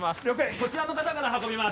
こちらの方から運びます